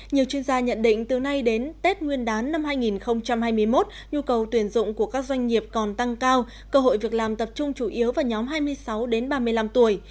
nhiều chuyên gia nhận định từ nay đến tết nguyên đán năm hai nghìn hai mươi một nhu cầu tuyển dụng của các doanh nghiệp còn tăng cao cơ hội việc làm tập trung chủ yếu vào nhóm hai mươi sáu ba mươi năm tuổi